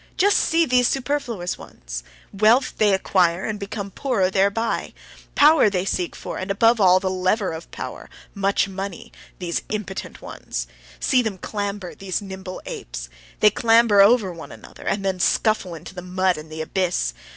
Just see these superfluous ones! Wealth they acquire and become poorer thereby. Power they seek for, and above all, the lever of power, much money these impotent ones! See them clamber, these nimble apes! They clamber over one another, and thus scuffle into the mud and the abyss.